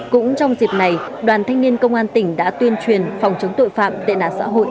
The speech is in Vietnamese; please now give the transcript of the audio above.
cũng trong dịp này đoàn thanh niên công an tỉnh đã tuyên truyền phòng chống tội phạm tệ nạn xã hội